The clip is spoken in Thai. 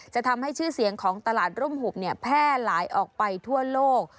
จะทำให้ชื่อเสียงของตลาดร่มหุบแพร่หลายออกไปทั่วโลก